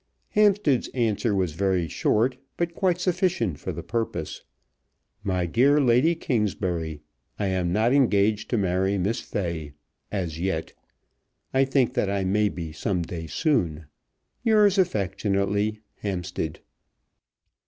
Hampstead's answer was very short, but quite sufficient for the purpose; MY DEAR LADY KINGSBURY, I am not engaged to marry Miss Fay, as yet. I think that I may be some day soon. Yours affectionately, HAMPSTEAD.